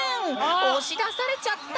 押し出されちゃった！